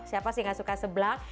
siapa sih yang gak suka sebelah